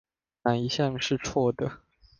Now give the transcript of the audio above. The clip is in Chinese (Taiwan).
哪一項是錯的？